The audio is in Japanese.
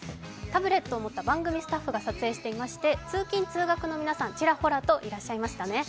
タブレットを持った番組スタッフが撮影していまして、通勤・通学の皆さん、ちらほらといらっしゃいましたね。